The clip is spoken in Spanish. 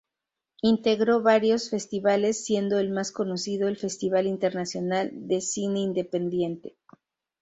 Integró varios festivales siendo el más conocido el Festival Internacional de Cine Independiente.